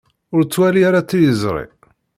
Ur ttwali ara tiliẓri.